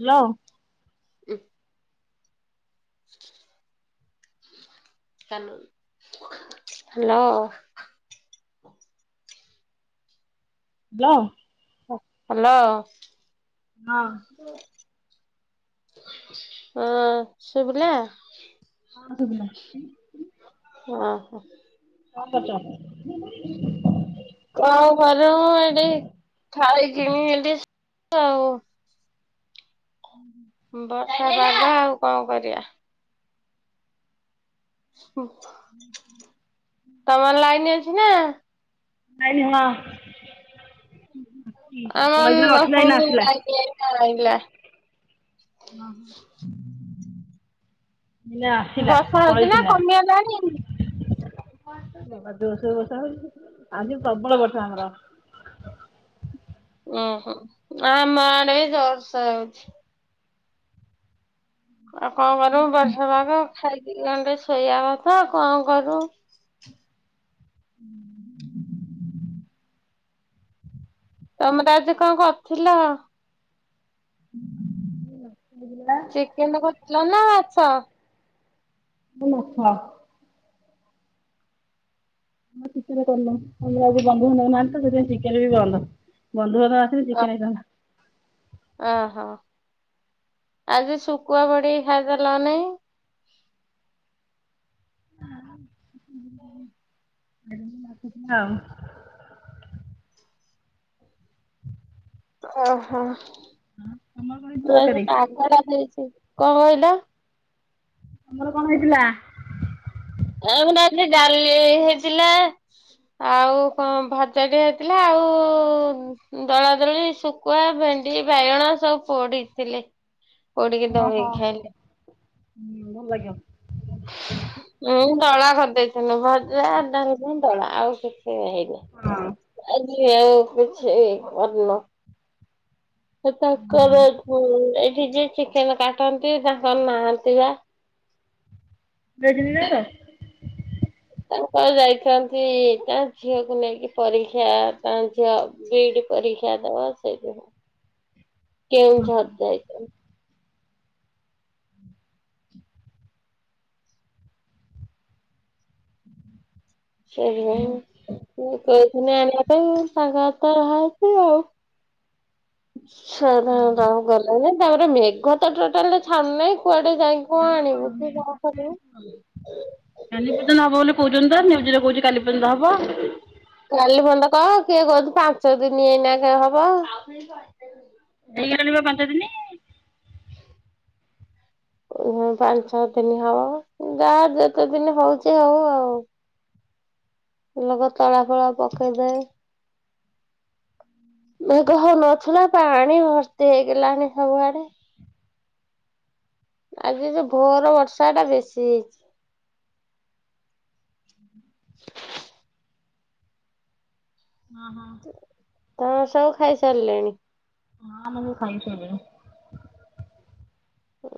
Hello. ଉଁ। କାନୁନ hello. Hello. ହଁ ହ୍ୟାଲୋ। ହଁ ସୁଵିଲା? ହଁ ସୁଵିଲା, ଓହୋ କଣ କରୁଛ? କଣ କରିବୁ ଏଠି ଖାଇକିନି [inaudible] ଆଉ। ହୁଁ [inaudible] ବର୍ଷା ବାଗା ଆଉ କଣ କରିବା। ହୁଁ। ହୁଁ ହୁଁ ହୁଁ। ତମର ଲାଇନ ଅଛି ନା? ନାଇଁନି ହଁ। ଆମର କଲେଜରେ ନଥିଲା ନାହିଁ ଏଇନା ଆସିଲା। ଲାଇନି ଏଇନେ ଆଇଲା। ହଁ, ହଁ [inaudible] ଏଇଲେ ଆସିଲା ବର୍ଷା ହଉଛି ନା ପଳେଇଥିଲା କମିଗଲାଣି [inaudible] ଜୋସେ ରେ ବଷା ହଉଛି, ଆଜି ପ୍ରବଳ ବର୍ଷା ଆମର। ଓହୋ ଆମ ଆଡେ ଜୋରସରେ ହଉଛି। ଆଉ କଣ କରଵୁ ବର୍ଷା ପାଗ ଖାଇକି ଗଣ୍ଡେ ଶୋଇବା କଥାଉ କଣ କରୁ [inaudible] ତମର ଆଜି କଣକରିଥିଲ? [unintelligible] ଚିକେନ କରିଥିଲ ନା ମାଛ? ଏଇ ମାଛ। ହଁ ଚିକେନ କରିବ, ଆମର ଆଜି ବନ୍ଧୁ ବାନ୍ଧବ ନାହାନ୍ତି ତ ସେଥିପାଇଁ ଚିକେନ ବି ବନ୍ଦ, ବନ୍ଧୁ ବାନ୍ଧବ ଆ ଆସିଥିଲେ ଚିକେନ ହେଇଥାନ୍ତା। ଓହୋ ଆଜି ଶୁଖୁଆ ପୋଡିକି ଖାଇଦେଲନି। [inaudible] ଓହୋ ତମର କଣ ହେଇଥିଲା ଆଜି ତରକାରୀ? ପାଗଟା ଦେଇଛି କଣ କହିଲ? ତମର କଣ ହେଇଥିଲା? ଆମର ଆଜି ଡାଲି ହେଇଥିଲା। ଆଉ କଅଁ ଭଜାଟେ ହେଇଥିଲା ଆଉ ଦଳାଦଳି ଶୁଖୁଆ ଭେଣ୍ଡି ବାଇଗଣ ସବୁ ପୋଡିଥିଲି ପୋଡିକି ଜମେଇ ଖାଇଲେ। ହୁଁ ଭଲ ଲାଗିବ। ମୁଁ ଦଳା କରିଦେଇଥିନୁ ଭଜାଡାଲି ଦଳା ଆଉ କିଛି ହେଇନି। ହଁ। ଆ ଆଉ କିଛି ମନ [unintelligible] ହଁ ଏତାଙ୍କର ଏ ଏଇଠି ଯିଏ ଚିକେନ କାଟନ୍ତି ତାଙ୍କର ନାହାନ୍ତି ବା। ଏଇଠି ଯେ ତାଙ୍କର ଯାଇଛନ୍ତି ତା ଝିଅକୁ ନେଇକି ପରୀକ୍ଷା ତାଙ୍କ ଝିଅ ବିଡି ପରୀକ୍ଷା ଦବ ସେଇଥିପାଇଁ କେଉଁଝର ଯାଇଛନ୍ତି। ସେଥିପାଇଁ ମୁଁ କଉଥିନିଆଣିବା ତାଙ୍କର ତ ନାହିଁନ୍ତି ଆଉ। ଛୁଆଉରା ଆଉ ଗଲେ ନାହିଁ ତା ପରେ ମେଘ ତ ଟୋଟାଲ ଛାଡୁ ନାହିଁ କୁଆଡେ ଯାଇଁକି କଅଁ ଆଣିବୁ କି କଅଁ କରିବୁ କାଲି ପର୍ଯ୍ୟନ୍ତ ହବ ବୋଲି କହୁଛନ୍ତି ତ ନ୍ୟୁଜରେ କହୁଛି କାଲି ପର୍ଯ୍ୟନ୍ତ ହବ କାଲି ପର୍ଯ୍ୟନ୍ତ କହ କିଏ କହୁଛି ପାଞ୍ଚ ଦିନ ଏଇନା ହବ ହେଇ ଗଲାଣି ପା ପାଞ୍ଚ ଦିନି। [inaudible] ପାଞ୍ଚ ଛଅ ଦିନ ହବ ଯାହା ଯେତେ ଦିନି ହଉଛି ହଉ ଆଉ। ଲୋକ ତଳା ଫଳା ପକେଇବେ। ମେଘ ହଉନଥିଲା ପାଣି ଭର୍ତ୍ତି ହେଇଗଲାଣି ସବୁଆଡେ ଆଜି ଯୋଉ ଭୋର ବର୍ଷା ଟା ବେଶି ହେଇଛି। ହଁ ହଁ। ତ ସବୁ ଖାଇ ସାରିଲେଣି? ହଁ ଆମ ବୋଉ ଖାଇସାରିଲେଣି।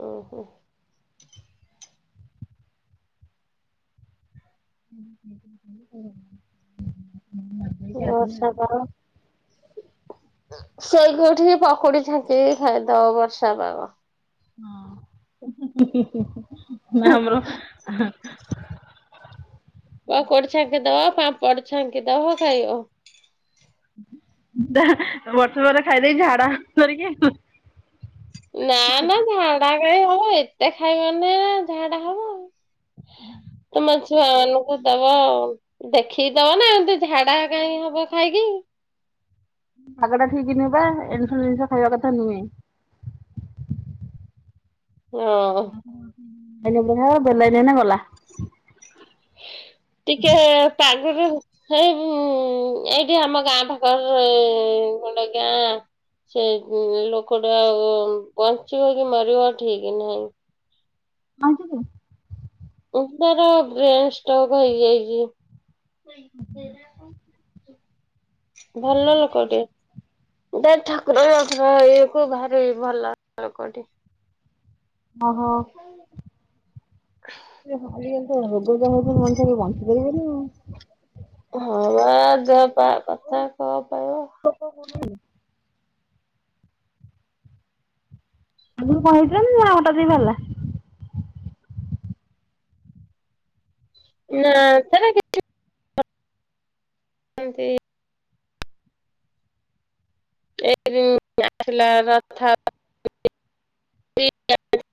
ଓହୋ। ଁ [inaudible] ବର୍ଷା ପାଗ। ଶୋଇକି ଉଠିଚି ପକୁଡି ଛାଙ୍କି ଖାଇ ଦବ ବର୍ଷା ପାଗ। ହଁ ହୁଁ ହୁଁ ହୁଁ ନା ଆମର ହେଁ ପକୁଡି ଛାଙ୍କିଦେବ ପାମ୍ପଡ ଛାଙ୍କି ଦବ ଖାଇବ। ଦା ବର୍ଷା ପାଖରେ ଖାଇଦେଇ ଝାଡା ଧରିକି ନା ନା ଝାଡା, କାଇଁ ହବ ଏତେ ଖାଇବ ମାନେ ଝାଡା ହବ ଆଉ। ତମ [unintelligible] ଛୁଆ ମାନଙ୍କୁ ଦବ ଦେଖିକି ଦବା ନା ଏମତି ଝାଡା କାହିଁ ହବ ଖାଇକି। ପାଗ ଟା ଠିକ ନବା ଏ ସବୁ ଜିନିଷ ଖାଇବା କଥା ନୁହେଁ। ହୁଁ। ବ ନ ହଁ ବୁଲାଇନ ନଙ୍ଗୋଲ [unintelligible] ଟିକେ ପାଗ ଦଉ। ସେଇ ଏଇଠି ଆମ ଗାଁ ପାଖର ଗୋଟେ ଗାଁ ସେ ଲୋକଟା ଆଉ ବଞ୍ଚିବ କି ମରିବ ଠିକ୍ ନାହିଁ। ଆଉଁସି ଦେ। [unintelligible] ଭଲ ଲୋକଟେ। ବେ ଠାକୁର ବାକୁର ହେଇକି ଭାରି ଭଲ ଲୋକଠି। ଓହୋ। ଆଜି କଲି ତ ରୋଗ ଯାହା ହୋଉଛି ମଣିସ ଟିକେ ବଞ୍ଚି ପାରିବନି ଆଉ। ହଁ ବା ଦେହ ପା କଥା କଣ ପାଇବ। [unintelligible] ଆଗୁରୁ କଣ ହେଇଥିଲା ନା ହଟାତ୍ ହେଇଗଲା। ନାଁ ସେ ହନ୍ତି। ଯୋଉ ଆସିଲା ରଥ। ଠିକ୍।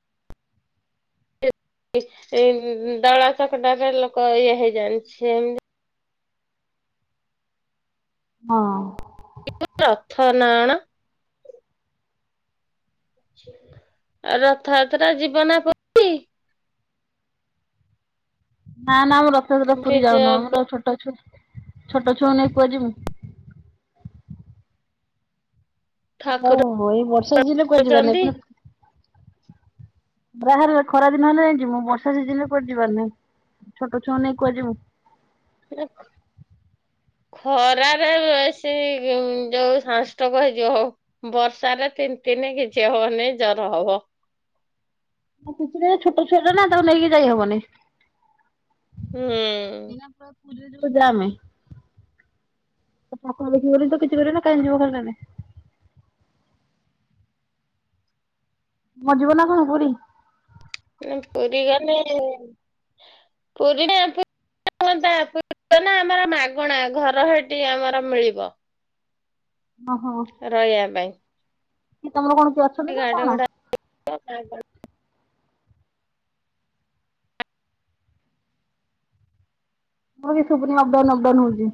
ଏଇ ଦଳା ଚକଟାରେ ଲୋକ ଇଏ ହେଇ ଜାଣିଛି ଏମିତି ହଁ। ରଥ ନା କଣ? ଆ ରଥଯାତ୍ରା ଜୀବନ ନା ନା ଆମ ରଥଯାତ୍ରା ପୁରୀ ନିଜ ଯାଉନୁ ଆମର ଛୋଟ ଛୁ ଛୋଟ ଛୁଆ କୁ ନେଇ କୁଆଡେଜିମୁଁ। ଠାକୁର ହୋଉ ଏଇ ବର୍ଷା ଦିନେ କୁଆ ଯିବ ନାଇଁ ଅଛନ୍ତି। ପୁଣି ବାହାରେ ଖରା ଦିନ ହେଲେ ଯାଇଁ ଯିବୁ ବର୍ଷା ସିଜିନି ରେ କୁଆଡେ ଯିବାର ନାହିଁ। ଛୋଟ ଛୁଆଙ୍କୁ ନେଇ କି କୁଆଡେଯିବୁ। [unintelligible] ଖରାରେ ବେଶୀ ଯୋଉ ସାଷ୍ଟକ ହେଇଯିବ ଆଉ। ବର୍ଷାରେ ତିନି ତିନି କିଛି ହବନି ଜର ହବ। ନାଇଁ କିଛି ନାହିଁ ଛୋଟ ଛୁଆ ଟା ନା ତାକୁ ନେଇକି ଯାଇ ହବନି। ହୁଁ। [unintelligible] ତା ପାଖକୁ ଦେଖି ଗଲେତ କିଛି କରିବନି କାହିଁ ଯିବ ଖାଲିଟାରେ। ମରିଜିବ ନା କଣ ପୁରି? ପୁରୀ ଗଲେ ପୁରୀ ନା [unintelligible] ଆମର ମାଗଣା ଘର ହେଠି ଆମର ମିଳିବ। ଓ ହୋ। ରହିବା ପାଇଁ। କି ତମର କଣ କିଏ ଅ ସେ ଗାଡି ଭଡା [unintelligible] ମଁ କିଛି ସୁବୁନି ଅପ୍ ଡାଉନୁ ଅପ୍ ଡାଉନୁ ହୋଉଚି।